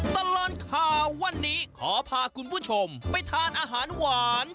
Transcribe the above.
ตลอดข่าววันนี้ขอพาคุณผู้ชมไปทานอาหารหวาน